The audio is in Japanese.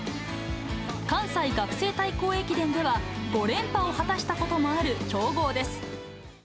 関西学生対校駅伝では、５連覇を果たしたこともある強豪です。